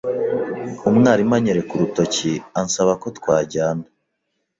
Umwarimu anyereka urutoki ansaba ko twajyana.